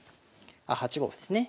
あ８五歩ですね。